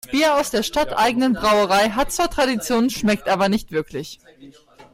Das Bier aus der stadteigenen Brauerei hat zwar Tradition, schmeckt aber nicht wirklich.